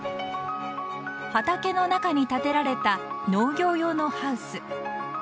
畑の中に建てられた農業用のハウス。